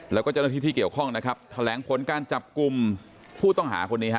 แล้วก็เจ้าหน้าที่ที่เกี่ยวข้องนะครับแถลงผลการจับกลุ่มผู้ต้องหาคนนี้ฮะ